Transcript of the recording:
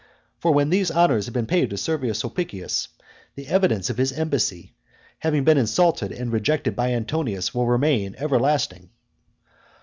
For when these honours have been paid to Servius Sulpicius, the evidence of his embassy having been insulted and rejected by Antonius will remain for everlasting.